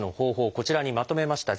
こちらにまとめました。